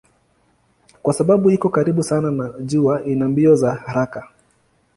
Kwa sababu iko karibu sana na jua ina mbio za haraka.